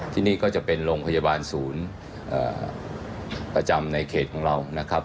ที่นี่ก็จะเป็นโรงพยาบาลศูนย์ประจำในเขตของเรานะครับ